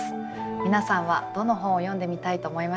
皆さんはどの本を読んでみたいと思いましたか？